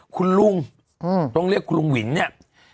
คุณลุงต้องเรียกคุณลุงวินเนี่ย